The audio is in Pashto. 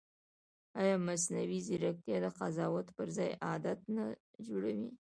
ایا مصنوعي ځیرکتیا د قضاوت پر ځای عادت نه جوړوي؟